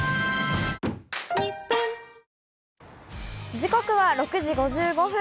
時刻は６時５５分。